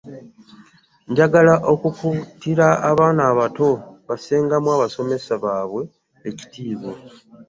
Njagala okukuutira abaana abato bassengamu abasomesa baabwe ekitiibwa.